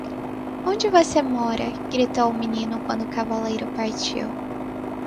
"Onde você mora?" Gritou o menino? quando o cavaleiro partiu.